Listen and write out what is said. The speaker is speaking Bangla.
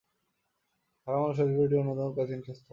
হারাম আল শরিফের এটি অন্যতম প্রাচীন স্থাপনা।